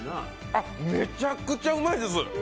あ、めちゃくちゃうまいです！